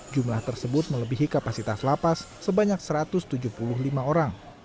jumlah tersebut melebihi kapasitas lapas sebanyak satu ratus tujuh puluh lima orang